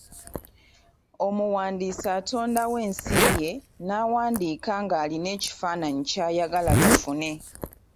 Omuwandiisi atondawo ensi ye n'awandiika ng'alina ekifaanayi ky'ayagala tufune.